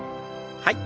はい。